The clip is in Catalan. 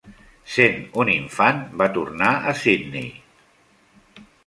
Sent un infant va tornar a Sydney.